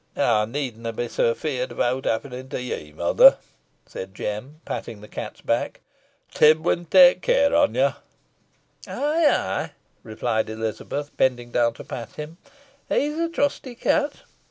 "Ey needna be afeerd o' owt happenin to ye, mother," said Jem, patting the cat's back. "Tib win tay care on yo." "Eigh, eigh," replied Elizabeth, bending down to pat him, "he's a trusty cat."